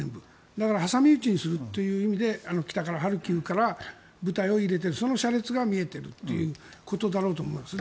だから挟み撃ちにするという意味で北から、ハルキウから部隊を入れてその車列が見えていることだろうと思います。